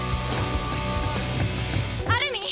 アルミン！